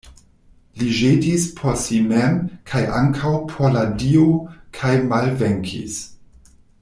Li ĵetis por si mem kaj ankaŭ por la dio kaj malvenkis.